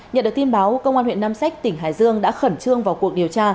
nhận được tin báo công an huyện nam sách tỉnh hải dương đã khẩn trương vào cuộc điều tra